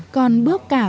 còn bước cả